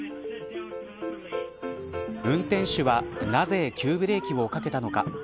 運転手は、なぜ急ブレーキをかけたのか。